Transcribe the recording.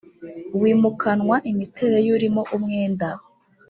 wimukanwa imiterere y urimo umwenda